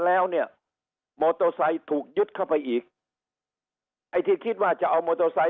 เล่งสั่งการไปถึงบริษัทประเภทเงินติดลงติดล่อทั้งหลาย